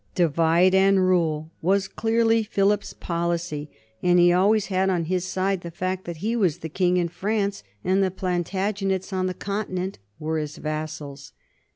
"Divide and rule," was clearly Philip's policy, and he always had on his side the fact that he was king in France and the Plantagenets on the Continent were his vassals.